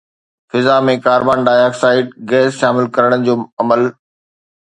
فضا ۾ carbon dioxide gas شامل ڪرڻ جو عمل